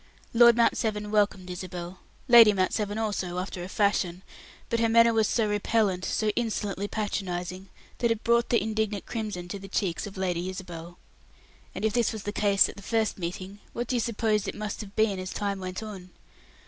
Lord Mount Severn welcomed Isabel; Lady Mount Severn also, after a fashion; but her manner was so repellant, so insolently patronizing, that it brought the indignant crimson to the cheeks of Lady Isabel. And if this was the case at the first meeting, what do you suppose it must have been as time went on?